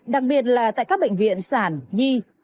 đặc biệt là tại các bệnh viện sản nhi